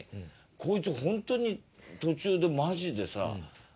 こいつホントに途中でマジでさ。